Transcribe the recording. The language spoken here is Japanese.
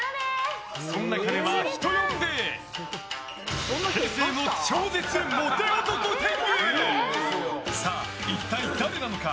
そんな彼は、人呼んで平成の超絶モテ男天狗！さあ、一体誰なのか？